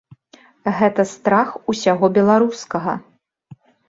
Гэта страх усяго беларускага.